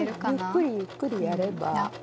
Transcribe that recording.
ゆっくりゆっくりやれば。